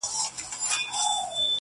اوس معلومه سوه چي دا سړی پر حق دی,